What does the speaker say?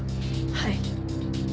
はい。